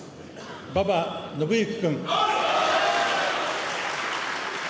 馬場伸幸君。